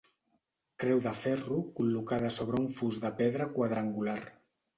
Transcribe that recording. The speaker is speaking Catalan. Creu de ferro col·locada sobre un fust de pedra quadrangular.